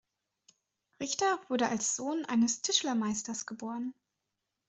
Richter wurde als Sohn eines Tischlermeisters geboren.